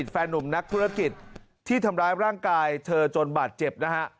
แฟนนุ่มนักธุรกิจที่ทำร้ายร่างกายเธอจนบาดเจ็บนะฮะ